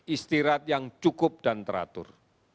istirahat yang cukup dan teratur